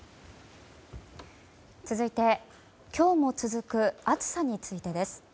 続いて今日も続く暑さについてです。